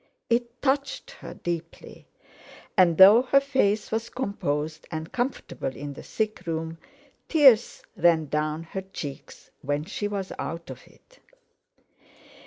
It touched her deeply; and though her face was composed and comfortable in the sick room, tears ran down her cheeks when she was out of it.